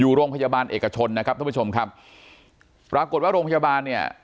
อยู่โรงพยาบาลเอกชนนะครับท่านผู้ชมครับปรากฏว่าโรงพยาบาลเนี่ย